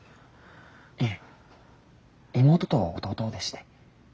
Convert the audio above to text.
いえ妹と弟でして。